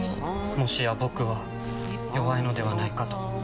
もしや僕は弱いのではないかと。